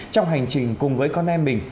trong hành trình cùng với con em mình